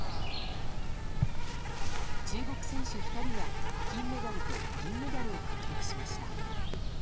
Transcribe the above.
中国選手２人が、金メダルと銀メダルを獲得しました。